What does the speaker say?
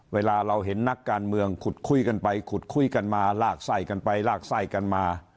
เวลาเราเห็นนักการเมืองขุดคุยกันไปขุดคุยกันมาลากไส้กันไปลากไส้กันมา